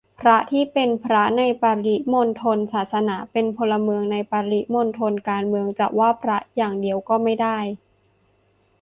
พระที่เป็นพระในปริมณฑลศาสนา เป็นพลเมืองในปริมณฑลการเมือง จะว่าพระอย่างเดียวก็ไม่ได้